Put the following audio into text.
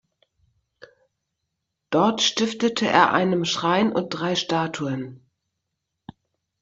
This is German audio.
Dort stiftete er einem Schrein und drei Statuen.